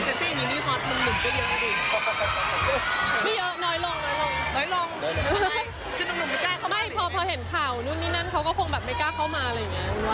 เซ็กซี่อย่างนี้พอลืมก็เดี๋ยวง่าย